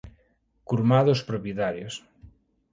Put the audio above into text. Curmá dos propietarios.